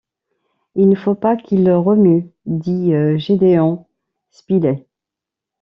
Il ne faut pas qu’il remue, dit Gédéon Spilett